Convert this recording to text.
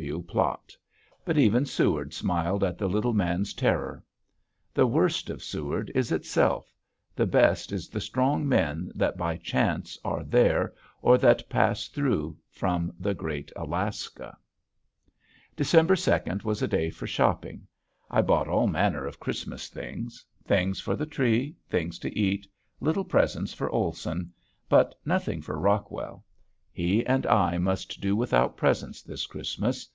W. W. plot. But even Seward smiled at the little man's terror. The worst of Seward is itself; the best is the strong men that by chance are there or that pass through from the great Alaska. [Illustration: THE WHITTLER] December second was a day for shopping. I bought all manner of Christmas things, things for the tree, things to eat, little presents for Olson but nothing for Rockwell. He and I must do without presents this Christmas.